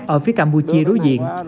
ở phía campuchia đối diện